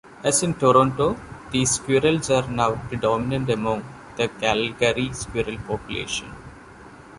As in Toronto, these squirrels are now predominant among the Calgary squirrel population.